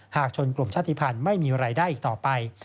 ชนกลุ่มชาติภัณฑ์ไม่มีรายได้อีกต่อไป